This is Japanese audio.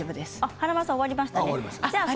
華丸さん終わりましたね。